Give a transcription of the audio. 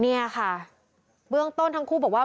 เนี่ยค่ะเบื้องต้นทั้งคู่บอกว่า